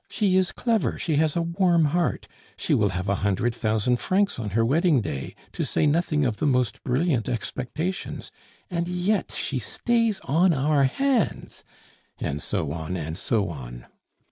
She is clever, she has a warm heart, she will have a hundred thousand francs on her wedding day, to say nothing of the most brilliant expectations; and yet she stays on our hands," and so on and so on.